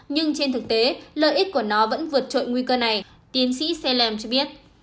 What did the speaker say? nhưng trên thực tế lợi ích của nó vẫn vượt trội nguy cơ này tiến sĩ selem cho biết